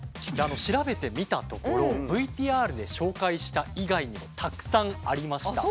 調べてみたところＶＴＲで紹介した以外にもたくさんありました。